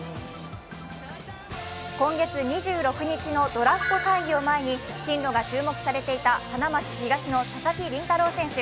今月２６日のドラフト会議を前に進路が注目されていた花巻東の佐々木麟太郎選手。